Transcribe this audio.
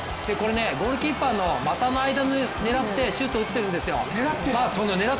ゴールキーパーの股の間を狙ってシュートを打ってるんですね。